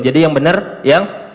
jadi yang benar yang